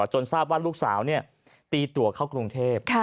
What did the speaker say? จนทราบว่าลูกสาวตีตัวเข้ากรุงเทพ